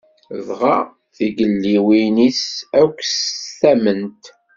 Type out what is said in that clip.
Dɣa tigelliwin-is akk s tamment.